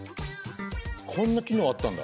こんな機能あったんだ。